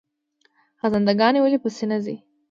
خزنده ګان ولې په سینه ځي؟